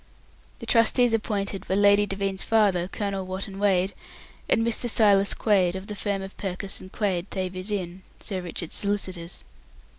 The trustees appointed were Lady Devine's father, Colonel Wotton Wade, and Mr. Silas Quaid, of the firm of Purkiss and Quaid Thavies Inn, Sir Richard's solicitors.